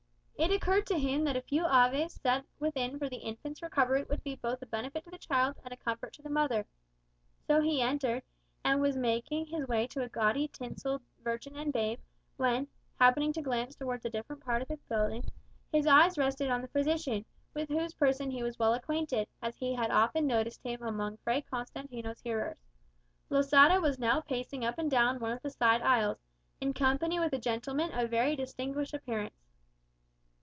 It occurred to him that a few Aves said within for the infant's recovery would be both a benefit to the child and a comfort to the mother. So he entered, and was making his way to a gaudy tinselled Virgin and Babe, when, happening to glance towards a different part of the building, his eyes rested on the physician, with whose person he was well acquainted, as he had often noticed him amongst Fray Constantino's hearers. Losada was now pacing up and down one of the side aisles, in company with a gentleman of very distinguished appearance.